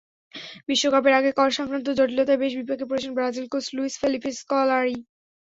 বিশ্বকাপের আগে কর-সংক্রান্ত জটিলতায় বেশ বিপাকে পড়েছেন Brazil coach Luiz Felipe scholarly.